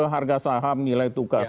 harga saham nilai tukar